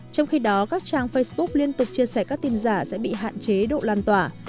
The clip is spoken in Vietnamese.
trong khi đó các trang facebook liên tục chia sẻ các tin giả sẽ bị hạn chế độ lan tỏa